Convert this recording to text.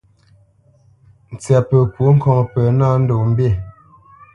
Ntsyapǝ kwó ŋkɔŋ pǝ ná nâ ndo mbî.